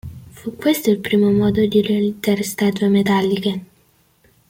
Fu questo il primo modo di realizzare statue metalliche.